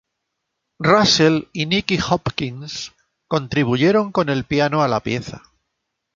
Russell y Nicky Hopkins contribuyeron con el piano a la pieza.